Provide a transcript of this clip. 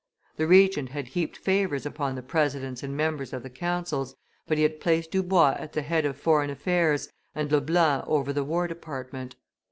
The Regent had heaped favors upon the presidents and members of the councils, but he had placed Dubois at the head of foreign affairs and Le Blanc over the war department.